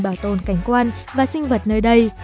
bảo tồn cảnh quan và sinh vật nơi đây